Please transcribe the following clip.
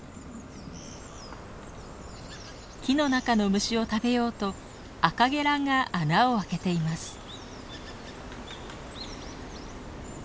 木の中の虫を食べようとアカゲラが穴をあけています。